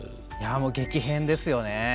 激変ですよね。